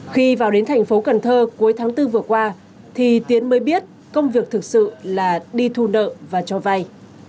khi vào đến thành phố cần thơ cuối tháng bốn vừa qua thì tiến mới biết công việc thực sự là đi thu nợ và cho vay